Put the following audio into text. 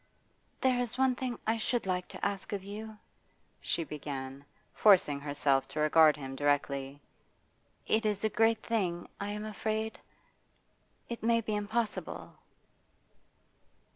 'There is one thing I should like to ask of you,' she began, forcing herself to regard him directly. 'It is a great thing, I am afraid; it may be impossible.